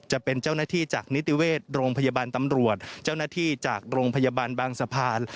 จะเป็นเจ้าหน้าที่จากนิติเวชโรงพยาบาลตำรวจเจ้าหน้าที่จากโรงพยาบาลบางสะพาน